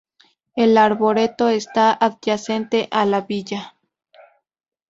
El arboreto está adyacente a la villa.